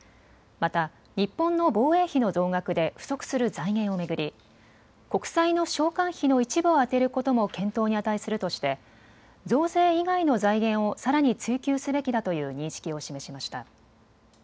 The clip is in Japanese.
また日本の防衛費の増額で不足する財源を巡り国債の償還費の一部を充てることも検討に値するとして増税以外の財源をさらに追求すべきだという認識を示しました。